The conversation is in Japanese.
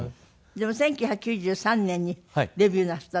でも１９９３年にデビューなすったんでしょ？